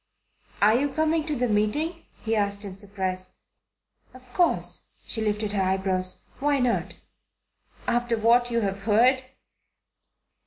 "Are you coming to the meeting?" he asked in surprise. "Of course." She lifted her eyebrows. "Why not?" "After what you have heard?"